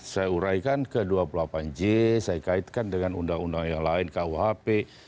saya uraikan ke dua puluh delapan j saya kaitkan dengan undang undang yang lain kuhp